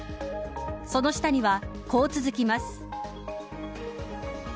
その下にはこう続きます。